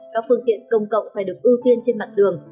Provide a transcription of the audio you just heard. các phương tiện công cộng phải được ưu tiên trên mặt đường